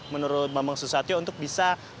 menurut bambang susatyo untuk bisa menjaga kemampuan dpr